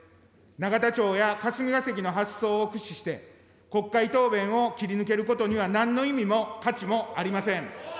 永田町や霞が関の発想を駆使して、国会答弁を切り抜けることにはなんの意味も価値もありません。